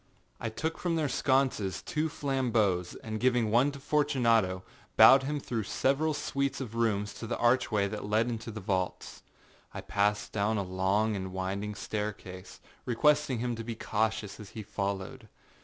I took from their sconces two flambeaux, and giving one to Fortunato, bowed him through several suites of rooms to the archway that led into the vaults. I passed down a long and winding staircase, requesting him to be cautious as he followed.